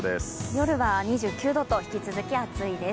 夜は２９度と引き続き暑いです。